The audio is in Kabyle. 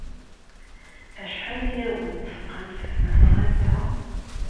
Acḥal ay awen-d-tesqam tesnasɣalt-a?